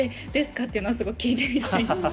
っていうのは、すごく聞いてみたいです。